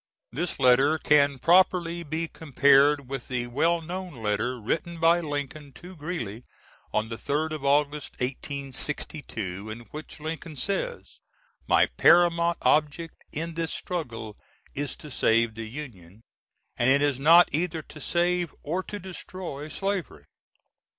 This letter can properly be compared with the well known letter written by Lincoln to Greeley on the third of August, 1862, in which Lincoln says: "My paramount object in this struggle is to save the Union, and it is not either to save or to destroy slavery."